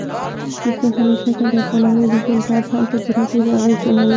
ځمکنی شکل د افغانانو د ژوند طرز هم په پوره توګه اغېزمنوي.